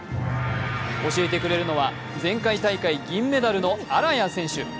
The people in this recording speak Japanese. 教えてくれるのは前回大会銀メダル選手の荒谷選手。